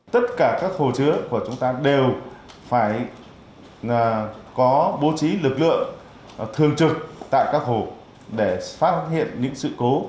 tất cả các hồ chứa của chúng ta đều phải có bố trí lực lượng thường trực tại các hồ để phát hiện những sự cố